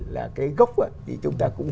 là cái gốc thì chúng ta cũng